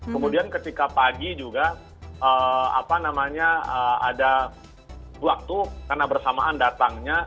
kemudian ketika pagi juga ada waktu karena bersamaan datangnya